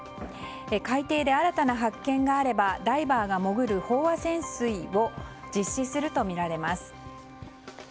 海底で新たな発見があればダイバーがもぐる飽和潜水を実施するとみられます。